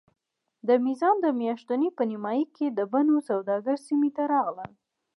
د میزان د میاشتې په نیمایي کې د مڼو سوداګر سیمې ته راغلل.